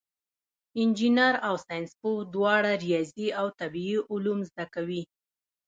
انجینر او ساینسپوه دواړه ریاضي او طبیعي علوم زده کوي.